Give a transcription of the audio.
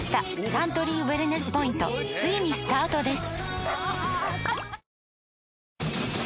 サントリーウエルネスポイントついにスタートです！